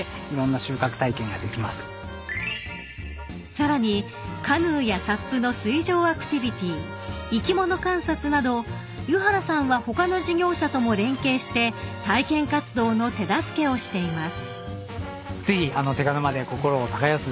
［さらにカヌーやＳＵＰの水上アクティビティー生き物観察など油原さんは他の事業者とも連携して体験活動の手助けをしています］